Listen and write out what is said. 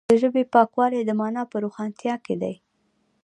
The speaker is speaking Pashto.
د ژبې پاکوالی د معنا په روښانتیا کې دی.